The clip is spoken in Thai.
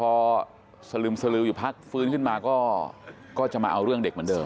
พอสลึมสลืออยู่พักฟื้นขึ้นมาก็จะมาเอาเรื่องเด็กเหมือนเดิ